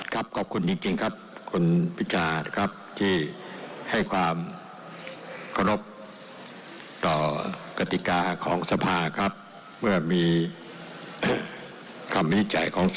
กระบก็คนจริงครับคุณพิจารณ์กับที่ให้ความโพรภกต่อกติกาของทรัพยาคมกับเมื่อมีคำวิจัยของส